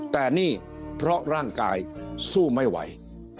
แต่นี่เพราะร่างกายสู้ไม่ไหว